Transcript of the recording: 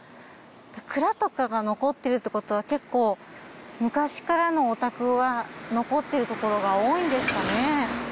蔵とかが残ってるってことは結構昔からのお宅は残ってるところが多いんですかね？